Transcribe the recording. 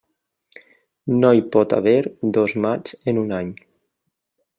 No hi pot haver dos maigs en un any.